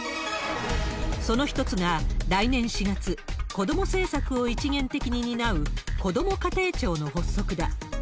その一つが来年４月、子ども政策を一元的に担うこども家庭庁の発足だ。